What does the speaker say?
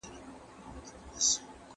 زه چپنه نه پاکوم.